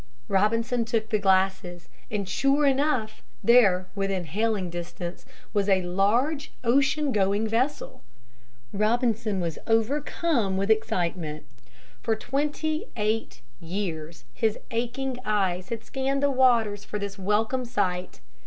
Robinson took the glasses, and sure enough, there within hailing distance was a large ocean going vessel. Robinson was overcome with excitement. For twenty eight years his aching eyes had scanned the waters for this welcome sight.